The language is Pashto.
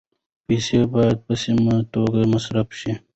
پیسې باید په سمه توګه مصرف شي.